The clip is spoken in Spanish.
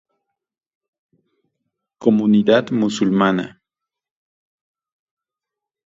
Comunidad Musulmana